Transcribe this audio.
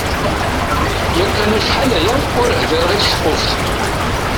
Yakan acḥal-aya ur ḥdireɣ i tceqquft.